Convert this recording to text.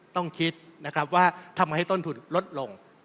ต้องคิดนะครับว่าทำไมต้นทุนลดลง